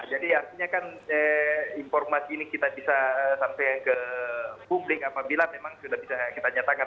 jadi artinya kan informasi ini kita bisa sampai ke publik apabila memang sudah bisa kita nyatakan